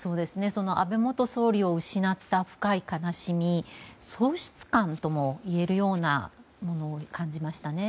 安倍元総理を失った深い悲しみ喪失感ともいえるようなものに感じましたね。